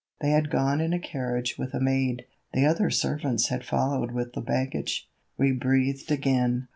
They had gone in a carriage with a maid; the other servants had followed with the baggage. We breathed again.